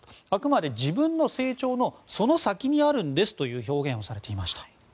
あくまで自分の成長のその先にあるんですという表現をされていました。